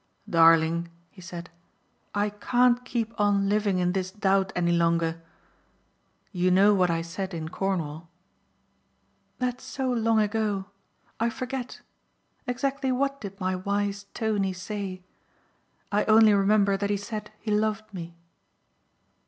"Darling," he said, "I can't keep on living in this doubt any longer. You know what I said in Cornwall?" "That's so long ago. I forget. Exactly what did my wise Tony say? I only remember that he said he loved me."